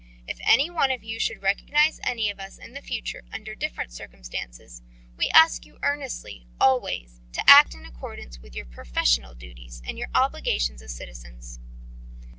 If any one of you should recognise any of us in the future under different circumstances, we ask you earnestly always to act in accordance with your professional duties and your obligations as citizens.